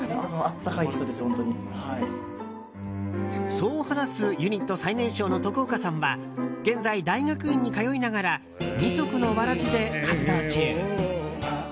そう話すユニット最年少の徳岡さんは現在、大学院に通いながら二足のわらじで活動中。